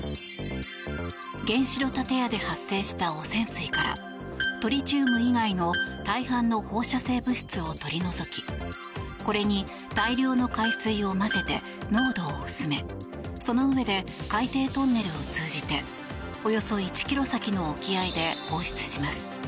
原子炉建屋で発生した汚染水からトリチウム以外の大半の放射性物質を取り除きこれに大量の海水を混ぜて濃度を薄めそのうえで海底トンネルを通じておよそ１ｋｍ先の沖合で放出します。